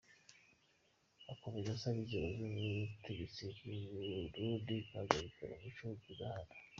Akomeza asaba inzego z’ubutegetsi bw’u Burundi guhagarika umuco wo kudahana.